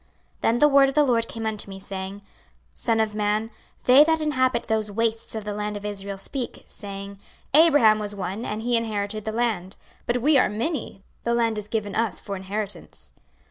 26:033:023 Then the word of the LORD came unto me, saying, 26:033:024 Son of man, they that inhabit those wastes of the land of Israel speak, saying, Abraham was one, and he inherited the land: but we are many; the land is given us for inheritance.